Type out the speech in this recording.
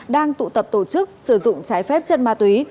đang tụ tập tổ chức sử dụng trái phép chất ma túy